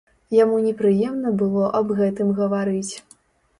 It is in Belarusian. Яму непрыемна было аб гэтым гаварыць.